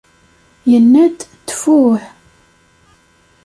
Yenna-d: “ttfuuuh!”